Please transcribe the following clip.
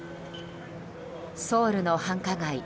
ソウルの繁華街